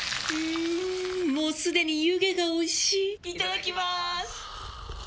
もうすでに湯気がおいしいいただきまーす！